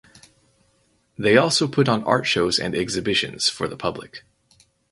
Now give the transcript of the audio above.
They also put on art shows and exhibitions for the public.